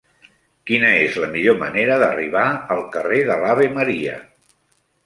Quina és la millor manera d'arribar al carrer de l'Ave Maria?